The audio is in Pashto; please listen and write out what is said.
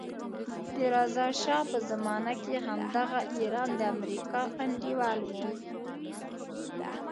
د رضا شا په زمانه کې همدغه ایران د امریکا انډیوال وو.